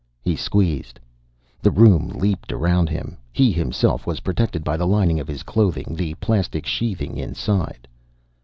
_ He squeezed. The room leaped around him. He himself was protected by the lining of his clothing, the plastic sheathing inside.